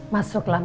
masuk lah mir